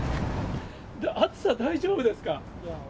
暑さ大丈夫ですか？